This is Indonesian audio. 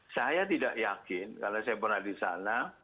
saya tidak yakin karena saya pernah di sana